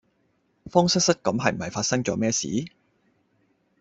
慌失失咁係唔係發生左咩事？